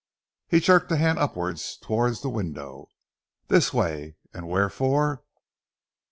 he jerked a hand upwards towards the window. "This way! And wherefore?